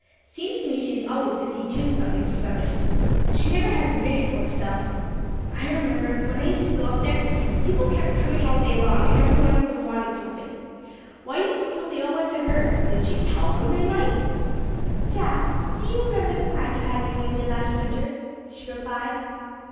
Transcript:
"Seems to me she is always busy doing something for somebody. She never has a minute for herself. I remember, when I used to go up there, people kept coming all day long, and every one of them wanted something. Why do you suppose they all went to her? Did she tell them they might?" "Jack, do you remember the plant you had in your window last winter?" she replied.